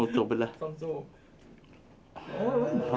ส่งจูบส่งจูบ